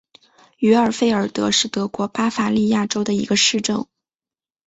于尔费尔德是德国巴伐利亚州的一个市镇。